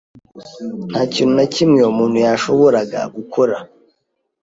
Nta kintu na kimwe umuntu yashoboraga gukora.